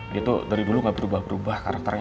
dia tuh dari dulu gak berubah berubah karakternya